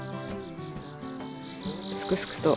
すくすくと。